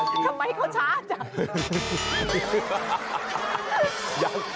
ทำไมเขาช้าจัง